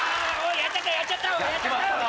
やっちまったよ。